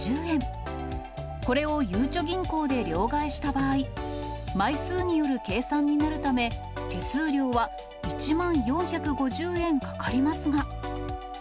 これをゆうちょ銀行で両替した場合、枚数による計算になるため、手数料は１万４５０円かかりますが。